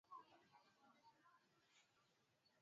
Kufikia mwisho wa hali ya hatari askari hao walikuwa wamewaua